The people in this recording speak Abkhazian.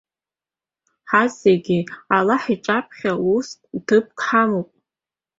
Ҳарҭ зегьы Аллаҳ иҿаԥхьа уски ҭыԥки ҳамоуп.